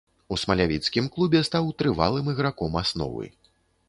У смалявіцкім клубе стаў трывалым іграком асновы.